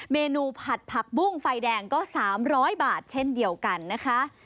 เมนูผัดผักบุ้งไฟแดงก็๓๐๐บาทเช่นเดียวกันนะคะ